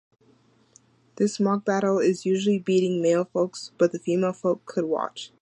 This mock battle is usually beating male folks but the female folk could watch.